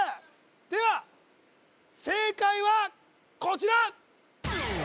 では正解はこちら！